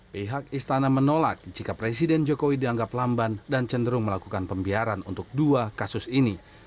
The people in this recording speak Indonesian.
pihak istana menolak jika presiden jokowi dianggap lamban dan cenderung melakukan pembiaran untuk dua kasus ini